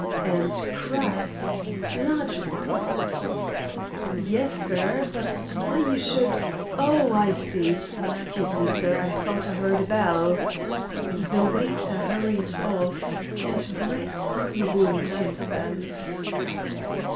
"And cracks large ones?" "Yes, sir. But why you should oh, I see! Excuse me, sir; I thought I 'eard a bell." The waiter hurried off, and Brett unwound himself.